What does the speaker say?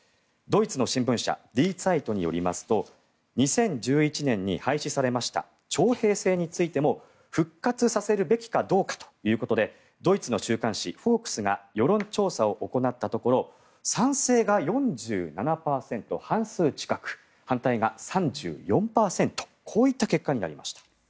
ドイツの新聞社ディー・ツァイトによりますと２０１１年に廃止されました徴兵制についても復活させるべきかどうかということでドイツの週刊誌「フォークス」が世論調査を行ったところ賛成が４７％、半数近く反対が３４％こういった結果になりました。